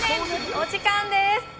お時間です。